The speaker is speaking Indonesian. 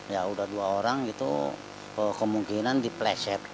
ya sudah dua orang itu kemungkinan dipeleset